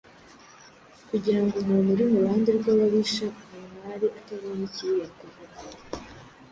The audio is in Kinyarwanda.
kugira ngo umuntu uri mu ruhande rw’ababisha amware, atabonye ikibi yakuvuga.